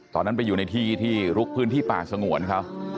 ตอนนั้นไปอยู่ในที่ที่ลุกพื้นที่ป่าสงวนเขา